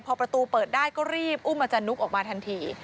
พอประตูเปิดได้ก็รีบอุ้มอาจารย์นุ๊กออกมาทันที